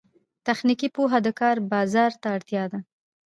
تخنیکي پوهه د کار بازار ته اړتیا ده